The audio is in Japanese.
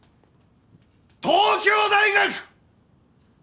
東京大学！